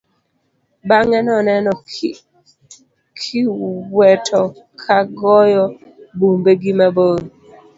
Bang'e noneno kiweto ka goyo bumbe gi mabor.